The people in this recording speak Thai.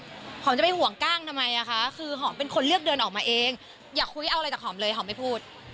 หอมจะไปห่วงกล้างทำไมอ่ะคะคือหอมเป็นคนเลือกเดินออกมาเองอยากคุยเอาอะไรจากหอมเลยหอมไม่พูด